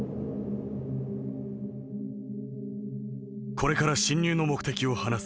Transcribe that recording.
「『これから侵入の目的を話す。